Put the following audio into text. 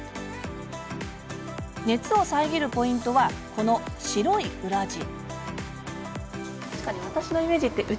熱を遮るポイントはこの白い裏地。